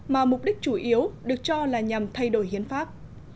mà mục đích chủ yếu được cho là nhằm thay đổi hiến pháp